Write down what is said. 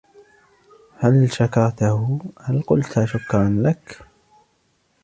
هل شكرتهُ, هل قلت شكراً لك ؟